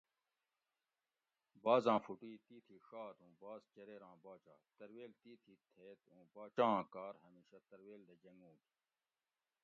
بازاں فوٹو ئ تیتھی ڛات اوُں باز چریر آں باچہ ترویل تیتھی تھیت اوُں باچہ آں کار ھمیشہ ترویل دہ جنگوگ